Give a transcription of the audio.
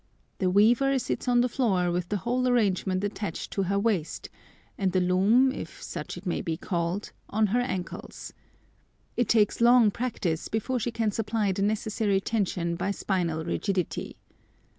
The weaver sits on the floor with the whole arrangement attached to her waist, and the loom, if such it may be called, on her ankles. It takes long practice before she can supply the necessary tension by spinal rigidity.